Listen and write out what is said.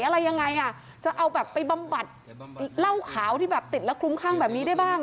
เล่าขาวที่ติดแล้วคลุมครั่งแบบนี้ได้บ้าง